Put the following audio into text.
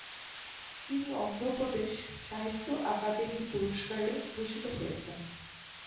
তিনি অন্ধ্রপ্রদেশ সাহিত্য আকাদেমি পুরস্কারে ভূষিত হয়েছেন।